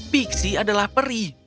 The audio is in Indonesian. pixie adalah peri